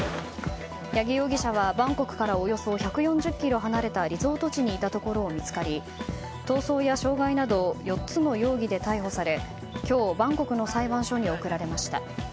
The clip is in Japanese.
八木容疑者は、バンコクからおよそ１４０ｋｍ離れたリゾート地にいたところを見つかり、逃走や傷害など４つの容疑で逮捕され今日、バンコクの裁判所に送られました。